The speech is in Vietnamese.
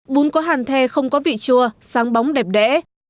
bún có hàn the không có vị chua sáng bóng đẹp đẽ